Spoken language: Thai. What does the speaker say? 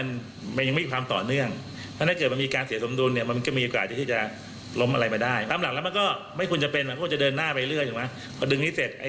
แล้วก็พอมาเศษก็ไปอีกสะแปนหนึ่ง